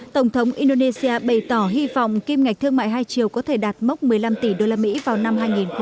tổng thống indonesia bày tỏ hy vọng kim ngạch thương mại hai triệu có thể đạt mốc một mươi năm tỷ usd vào năm hai nghìn hai mươi